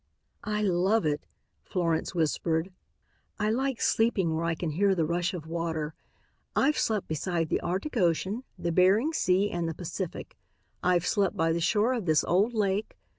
"I love it," Florence whispered. "I like sleeping where I can hear the rush of water. I've slept beside the Arctic Ocean, the Behring Sea and the Pacific. I've slept by the shore of this old lake.